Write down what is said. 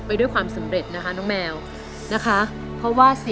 เป็นไรกับบัส